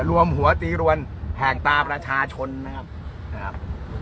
อย่ารวมหัวตีรวรแห่งตาประชาชนนะครับ